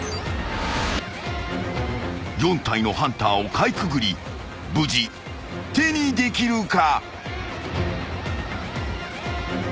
［４体のハンターをかいくぐり無事手にできるか？］